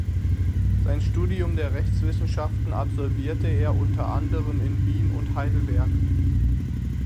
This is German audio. Sein Studium der Rechtswissenschaften absolvierte er unter anderem in Wien und Heidelberg.